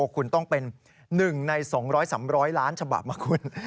คุณต้องเป็น๑ใน๒๐๐๓๐๐ล้านฉบับนะคุณ